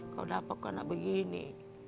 kau dapatkan anak begini